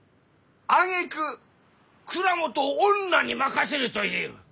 あげく蔵元を女に任せると言いゆう！